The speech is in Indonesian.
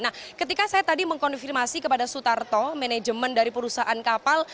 nah ketika saya tadi mengkonfirmasi kepada sutarto manajemen dari perusahaan kapal